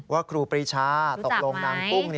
ครูปรีชาตกลงนางกุ้ง